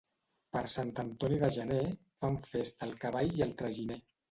Per Sant Antoni de gener fan festa el cavall i el traginer.